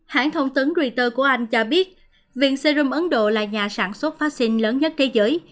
hãng thông tấn rea của anh cho biết viện serum ấn độ là nhà sản xuất vaccine lớn nhất thế giới